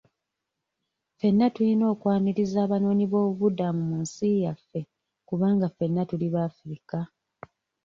Ffenna tuyina okwaniriza abanoonyiboobubudamu mu nsi yaffe kubanga ffenna tuli bafirika.